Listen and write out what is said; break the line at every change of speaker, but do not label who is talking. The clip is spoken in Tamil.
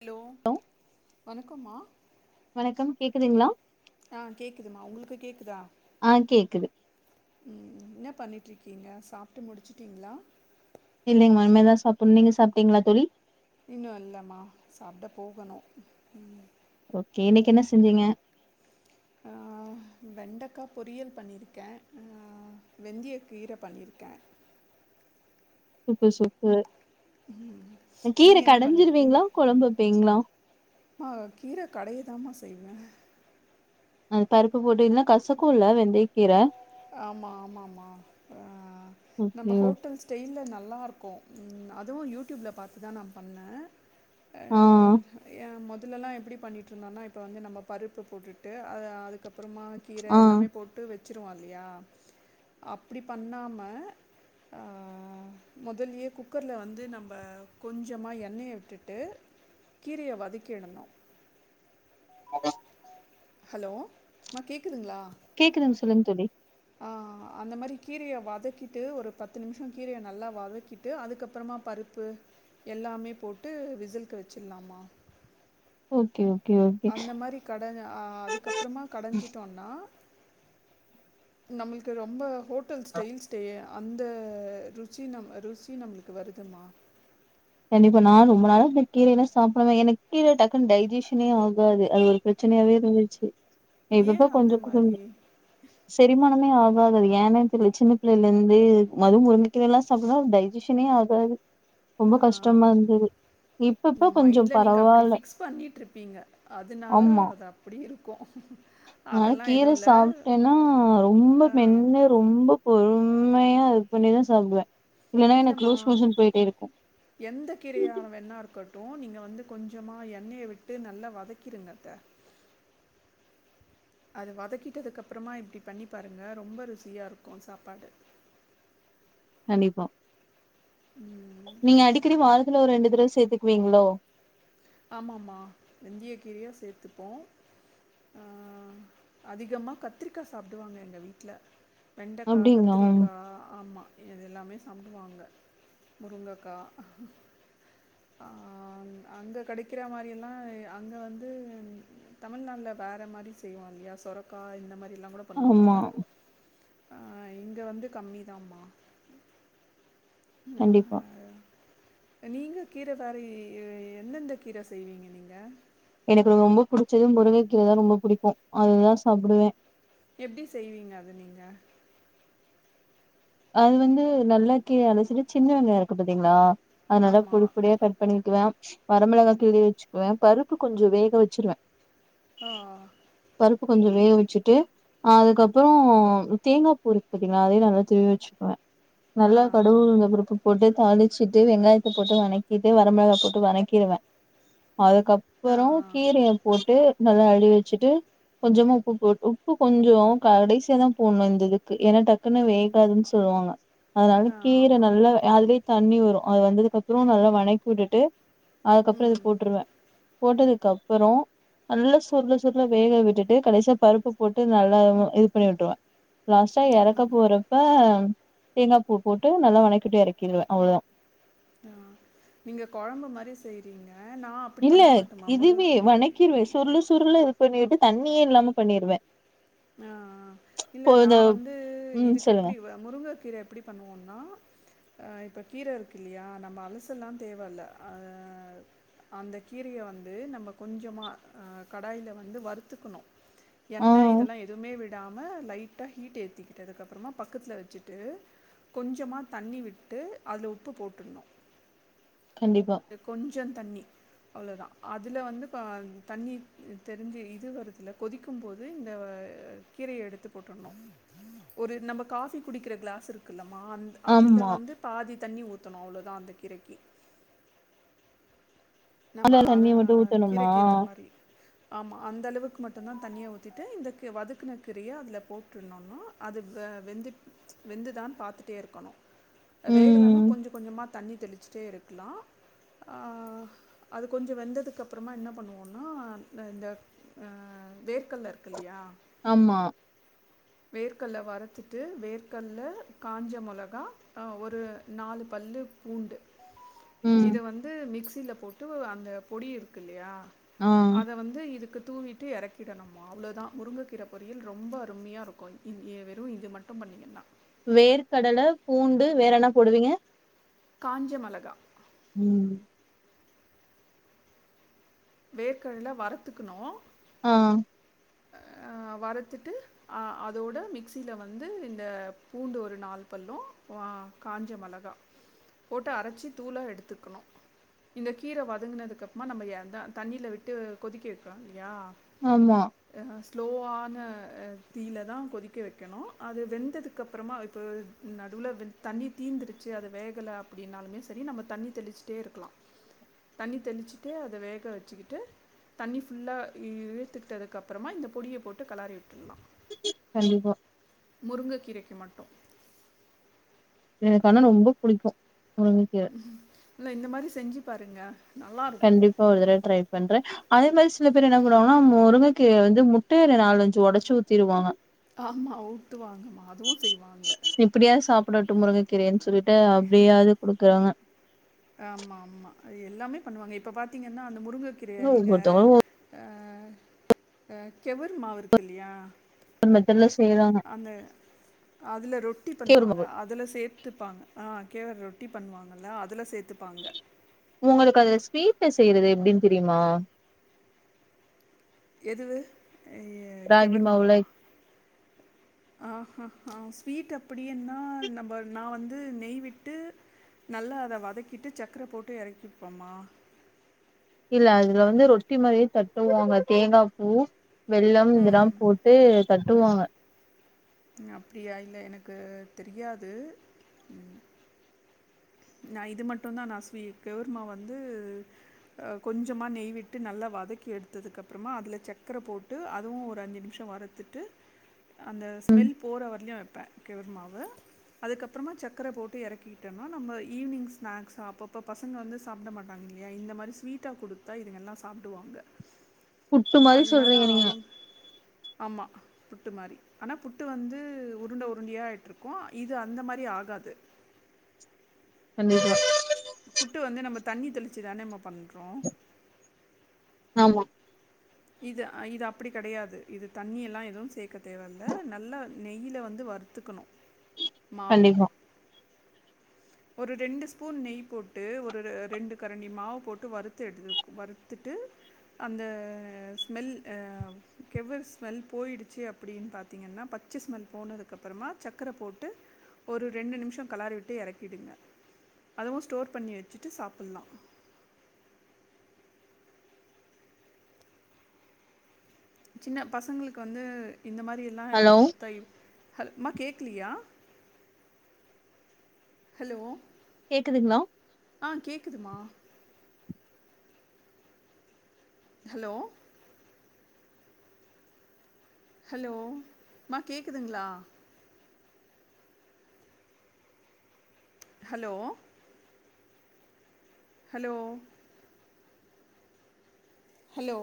ஹலோ வணக்கம்மா
வணக்கம் கேக்குதுங்களா
ஆஹ் கேக்குதுமா உங்களுக்கு கேக்குதா
ஆஹ் கேக்குது
பண்ணிட்டு இருக்கீங்க சாப்பிட்டு முடிச்சட்டீங்களா
இல்லைங்கமா இனிமேதா சாப்பிடணு நீங்க சாப்பிட்டீங்களா தோழி
இன்னு இல்லமா சாப்பிட போகணு உம்
ஓகே இன்னைக்கி என்ன செஞ்சீங்க
ஹ வெண்டைக்காய் பொரியல் பண்ணியிருக்கே ஆஹ் வெந்திய கீரை பண்ணியிருக்கே
சூப்பர் சூப்பர்
உ
கீர
நீங்க என்ன பண்ணிருக்கீங்க
கடஞ்சிருவீங்களா கொழம்பு வைப்பீங்களா
ஆ கீரை கடையைதாம செய்வே
அ பருப்பு போட்டு இல்னா கசக்கும்ல வெந்தய கீரை
ஆமா ஆமாம்மா ஆஹ்
ஓகே
நம்ம
ஓ
ஹோட்டல் ஸ்டைல்ல நல் ல்லாயிருக்கு ம் அதுவு யூடியூப்ல பாத்து தா நா பண்ணே
ஆ
ஆஹ் எ மொத் இதுலல்லா எப்டி பண்ணிட்டு இருந்தோனா இப்போ வந்து நம்ம பருப்பு போட்டுட்டு அ அதுக்கு அடுத்து அப்புறமா கீரை
ஆ
எல்லாமே போட்டு வெச் ச்சிருவோ அத ஆஹ் அப்டி பண்ணாம ஆஹ் மொதல்யே குக்கருல வந்து நம்ம கொஞ்சமா எண்ணய விட்டுட்டு கீரைய வதக்கிடணு
[inaudible]
ஹலோ அம்மா கேக்குதுங்களா
கேக்குதுங் சொல்லுங் தோழி
ஆ அந்த மாரி கீரையை வதக்கிட்டு ஒரு பத்து நிமிஷம் கீரையை நல்லா வதக்கிட்டு அதுக்கப்புறமா பருப்பு எல்லாமே போட்டு விசில்கு வெச்சிடலாமா
ஓகே ஓ
அந்த மாதிரி கட அஹ் அதுக்கப்புறமா கடைஞ்சிட்டோனா நம்மளுக்கு ரொம்ப ஹோட்டல் ஸ்டையில் ஸ்டே அந்த ருச்சி நம் ருசி நம்மளுக்கு வருதுமா
கண்டிப்பா நா ரொம்ப நாளைக்கு இந்த கீரயெல்லா சாப்படல எனக்கு கீர டக்குன்னு டைஜுஷனே ஆகாது அது ஒரு பிரச்சனையாவே இருந்துச்சு இதுதா
ஏன் அந்த
கொஞ்ச கொஞ்ச
மாதிரி
செரிமானமே ஆகு அதா அது ஏன்னே தெரியல சின்ன பிள்ளைில இருந்து மது முருகை கீரைறது எல்லாம் சாப்பிடா டைஜஷனே ஆகாது ரொம்ப கஷ்
ஆஹ் இந்த மைண்ட்ல நீங்க அப்படி
பரவால்ல.
பிக்ஸ் பண்ணிட்டு இருப்பீங்க அதனால
ஆமா.
அது அப்படி இருக் [inaudible]
அதனால கீரை சாப்ட்டேன்னா ரொம்ப மென்னு ரொம்ப பொறு- உண்மையா இது பண்ணிதான் சாப்டுவேன்
இல்லமா எந்த கீரையானவேன்னா இருக்கட்டு நீங்க வந்து கொஞ்சமா எண்ணெயை விட்டு நல்லா வதக்கிருங்கத்த அது வதக்கிட்டதுக்கு அப்புறமா இப்படி பண்ணி பாருங்க ரொம்ப ருசியா இருக்கும் சாப்பாடு
கண்டிப்போம்
ம்,
நீங்க அடிக்கடி வாரத்துல ஒரு ரெண்டு [unintelligible] சேர்த்துக்குவீங்களோ
ஆமமா வெந்திய கீரியா சேர்த்துப்போம் ஆ அதிகமா கத்திரிக்காய் சாப்டுவாங்க எங்க வீட்ல வெண்டைக்காய்
அப்டிங்களா?
கத்திரிக்காய் ஆமா இது எல்லாமே சாப்டுவாங்க முருங்கைக்காய் அங்க- கெடைக்கிற மாரியெல்லாம் அங்கே வந்து தமிழ்நாட்ல வேற மாரி செய்வோம் இல்லையா சொரக்கா இந்த மாரி இதல்லாம் கூட
ஆமா.
பண்ணுவாங்கல ஆ இங்கே வந்து கம்மிதாமா
கண்டிப்பா
நீங்க கீரை வாரி எந்தெந்த கீரை செய்வீங்க நீங்க
எனக்கு ரொம்ப புடிச்சது முருகைக்கீரை தான் ரொம்ப புடிக்கும் அதுதான் சாப்டுவேன்
எப்டி செய்வீங்க அத நீங்க
அது வந்து நல்லா கீரை அலச்சிட்டு சின்ன வெங்காயம் இருக்கு பாத்தீங்களா அதனால பொடி
ஆமாம்
பொடிய கட் பண்ணிக்குவேன் வரம்மிளகா கீரி வச்சுக்குவேன் பருப்பு கொஞ்சம் வேக வச்சிருவேன்
ஆ ஆ
பருப்பு கொஞ்சம் வேக வச்சுட்டு அதுக்கப்புறம் தேங்காய் பூ இருக்கு பாத்தீங்களா அத நல்லா துரிவி வச்சிப்ப
ஆ ஆ
நல்லா கடுகு உளுந்து பருப்பு போட்டு தாலி வச்சிட்டு வெங்காயத்தை போட்டு வனக்கிட்டு வரமிளகா போட்டு வனக்கிடுவேன் அதுக்கு
ஆ
அப்புறம் கீரைய போட்டு நல்லா அழி வச்சுட்டு கொஞ்சமா உப்பு போ உப்பு கொஞ்சம் கடைசியாக தான் போட்ணும் இந்ததுக்கு ஏன்னா டக்குன்னு வேகாதுன்னுச்சு சொல்லுவாங்க அதனால
ஆ
கீரை
ஆமாம்
நல்ல அத தண்ணி வரும் அது வந்ததுக்கு அப்புறம் நல்லா வனக்கி விட்டுட்டு அதுக்கு அப்புறம் இது
ம்
போட்டுருவேன் போட்டதுக் அதுக்குப்புறம் நல்லா சுருல சுருல வேக விட்டுட்டு கடைசியா பருப்பு போட்டு நல்லா இது பண்ணி விட்டுவேன் லாஸ்ட்டா இறக்க
ம்
போறப்ப தேங்காய் பூ போட்டு நல்லா வணக்கிட்டு இறக்கிடுவேன் அவ்ள தான்
ஆ நீங்க கொழம்பு மாரி செய்றீங்க
இல்ல இதுவே வணக்கிருவே
இது
சுருளு சுருளா [unintelligible] தண்ணியே இல்லாம பண்ணிருவே
ஆஆ இல்ல
இப்போ
நா
இந்த
வந்து
ம் சொல்லுங்க
இதுக்கெப்டி முருங்கக்கீர எப்டி பண்ணுவோனா இப்போ கீர இருக்குல்லையா நம்ம அலசெல்லா தேவல்ல அந்த கீரைய வந்து நம்ம கொஞ்சமாக கடாயில வந்து வறுத்துக்ணூ
ஆ
எண்ண இதெல்லா எ விடாம லைட்டா ஹீட் ஏத்திட்டதுக்கப்றமா பக்கத்துல வச்சிட்டு கொஞ்சமா தண்ணி விட்டு அத்ல உப்பு போட்டுட்ணூ
கண்டிப்பா
கொஞ்சந்தண்ணி அவ்ளோதா அதுல வந்து ப தண்ணி தெரிஞ்சு இது வருதுல கொதிக்கும் போது இந்த கீரைய எடுத்து போட்டுட்ணூ ஒரு நம்ம காஃபி குடிக்கிற கிளாஸ் இருக்குல்லம் மா அந் அதுல
ஆமா
வந்து பாதி தண்ணி ஊத்தணூ அவ்ளோதானக்ஷ அந்த கீரைக்கி நம்ம
அதுல
ஆ
தண்ணிய மட்டு ஊத்தணுமா
கீரைக்கேத்த மாரி ஆமா அந்தளவுக்கு மட் டூ தா தண்ணிய ஊத்திட்டு இந்த வதக்கின கீரைய அதுல போட்டுருணுன்னு அது வெந்து வெந்துதான் பாத்துட்டே இருக்கணூ வேகலனா
ம்
கொஞ்ச கொஞ்சமா தண்ணி தெளிச் ச்டேருக்கலா ஆ அது கொஞ்சோ வெந்ததுக்குகப்றமா என்ன பண்ணுவோனா இந்தந்த ஆ வேர்கல்ல இருக்குல்லையா
ஆமா
வேர்க்கல்ல வறத்துட்டு வேர்க்கல்ல காஞ்ச மிளகா ஒரு நாலு பல்லு பூண்டு
ம்
இத வந்து மிக்ஸ் சில போட்டு அந்த பொடி இருக்குல்லையா
ஆ
அத வந்து இதுக்கு தூவிட்டு எறக்கிடணுமோ அவ்ளோதா முருங்கக்கீர பொரியல் ரொம்ப அருமையாருக் கூ ங் எ வெறூ இது மட்டூ பண்ணீங்கன்னா
வேர்க்கடல பூண்டு வேற என்ன போடுவீங்க
காஞ்சமெளகா
ம்
வேர்கட்ல வறத்துக்ணூ
ஆ
ஆ வறத்துட்டு ஆ அதோட மிக்சில வந்து இந்த பூண்டு ஒரு நாலு பல்லூ வா காஞ்ச மெளகா போட்டு அரைச்சி தூளா எடுத்துக்ணூ இந்த கீர வதங்கினதுக்கப்றமா நம்ம அதா தண்ணியில விட்டு கொதிக்கி வெக்றோ இல்லையா
ஆமா
ஸ்லோவான தீல தா கொதிக்க வைக்கணூ அது வெந்ததுக்கப்றமா இப்போ நடுவுல வெந் தண்ணி தீந்துடுச்சி அது வேகல அப்டின்னாலுமே செரி நம்ம தண்ணி தெளிச்சிட்டேருக்லா தண்ணி தெளிச்சுட்டு அத வேக வச்சக்கிட்டு தண்ணி ஃபுல்லா இழுத்திட்டதுக்கப் அப்றமா இந்த பொடிய போட்டு கலாறி விட்டுர்லா
கண்டிப்பா
முருங்க கீரைக் கு மட்டூ
எனக்கு ஆனா ரொம்ப புடிக்கூ
இல்ல இந்த மாரி செஞ்சு பாருங்க
கண்டிப்பா ஒரு தடவ ட்ரை பண்ற அதே மாரி சில பேர் என்ன பண்ணுவாங்கன்னா முருங்கைக்கு வந்து முட்டைய நாலுஞ்சு ஒடச்சு ஊத்திடுவாங்க
ஆமா ஊத்துவாங்க மா அதுவு செய்வாங்க
த்ரெனு சொல்லிட்டு [unintelligible] அப்டியாது குடுக்குறாங்க
ஆமா, ஆமா. அது எல்லாமே பண்ணுவாங்க இப்ப பாத்தீங்கன்னா அந்த முருங்கக்கிரய
ஆனா
நீங்க
ஒவ்வொருத்தவங்களும்
ஆ ஆ கெவரு மாவு இருக்கில்லியா
[unintelligible]
அந்த அதுல ரொட்டி பண்ணுவாங்க
கேழ்மாவு
அதுல சேத்துப்பாங்க ஆ கேவுரு ரொட்டி பண்ணுவாங்கல்ல அதுல சேத்து
உங்களுக்கு அது ஸ்வீட்டு செய்றது எப்டின்னு தெரியுமா
எதுவு [unintelligible]
ராகி மாவுல
கெவர்மாவா ஆஹா ஆ ஸ்வீட் அப்படியனா நம்ம நா வந்து நெய்விட்டு நல்லா அத வதக்கிட்டு சக்கர போட்டு எறக்கிப்போமா
இல்ல அதுல வந்து ரொட்டி மாரியே தட்டுவாங்க தேங்கா பூ வெல்லம் இதெல்லா
ம்.
போட்டு தட் ட்டுவாங்க
ம் அப்டியா இல்ல எனக்கு தெரியாது ம் நா இது மட்டு தா நா ஸ்வி கெவர்மாவ் வந்து ஆ கொஞ்சமா நெய்விட்டு நல்லா வதக்கி எடுத்ததுக்கப்பறமா அதில சக்கர போட்டு அதுவு ஒரு அஞ்சு நிமிஷ வருத்துட்டு அந்த ஸ்மெல் போற வரலயு வைப்பேன் கெவர்மாவ் [unintelligible] அதுக்கப்பறமா சக்கர எறக்கிட்டோன்னா நம்ம ஈவினிங் ஸ்நாக்ஸா அப்பப்போ பசங்க வந்து சாப்ட மாட்டாங்கில்லையா இந்த மாதிரி ஸ்வீட்டா குடுத்தா இதுங்கெல்லா சாப்டுவாங்க
புட்டு மாரி சொல்றீங்க நீங்க
ஆமா புட்டு மாரி ஆனா புட்டு வந்து உருண்ட உருண்டியா ஆயிட்டுருக்கு இது அந்த மாரி ஆகாது
கண்டிப்பா
புட்டு வந்து நம்ம தண்ணி தெளிச்சுதானே நம்ம பண்றோ
ஆமா
இது இது அப்டி கிடையாது இது தண்ணியெல்லா எதுவு சேக்க தேவயில்ல நல்லா நெயில வந்து வருத்துக்கணு
கண்டிப்பா
ஒரு ரெண்டு ஸ்பூன் நெய் போட்டு ஒரு ரெண்டு கரண்டி மாவு போட்டு வறுத்து எடு வறுத்துட்டு அந்த ஸ்மெல் ஆ கெவுர் ஸ்மெல் போயிடுச்சு அப்டின்னு பாத்தீங்கன்னா பச்ச ஸ்மெல் போனதுக்கப்பறமா சக்கர போட்டு ஒரு ரெண்டு நிமிஷ கலாறி விட்டு எறக் விடுங்க அதுவு ஸ்டோர் பண்ணி வச்சுட்டு சாப்புட்லா சின்ன பசங்களுக்கு வந்து இந்த மாரியெல்லா எனக்
ஹலோ
குடுத்தா இப் ஹல் மா கேக்லியா ஹலோ
கேக்குதுங்களா
ஆ கேக்குதுமா ஹலோ ஹலோ மா கேக்குதுங்களா ஹலோ ஹலோ ஹலோ